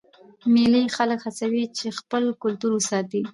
مېلې خلک هڅوي چې خپل کلتور وساتي.